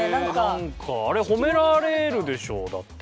あれ褒められるでしょだって。